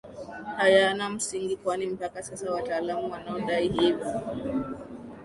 hayanamsingi kwani mpaka sasa wataalamu wanaodai hivi